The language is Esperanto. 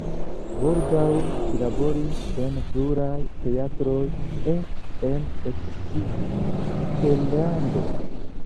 Baldaŭ ŝi laboris en pluraj teatroj eĉ en eksterlando.